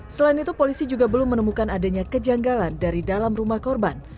selain itu polisi juga belum menemukan adanya kejanggalan dari dalam rumah korban